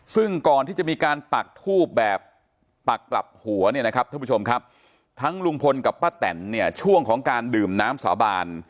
ซึ่งก่อนที่จะมีการปักทูบแบบปักกลับหัวทั้งลุงพลกับป้าแต่นช่วงของการดื่มน้ำสาบาน